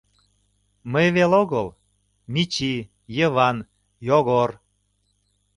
Мый веле огыл — Мичи, Йыван, Йогор...